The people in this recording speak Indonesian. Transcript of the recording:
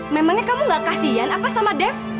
memangnya kamu gak kasian apa sama dev